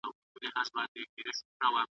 له یادونو